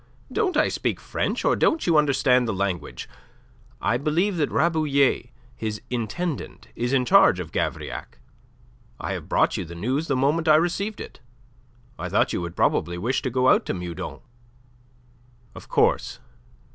Don't I speak French or don't you understand the language? I believe that Rabouillet, his intendant, is in charge of Gavrillac. I have brought you the news the moment I received it. I thought you would probably wish to go out to Meudon." "Of course.